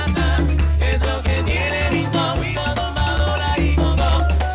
น้อยยัง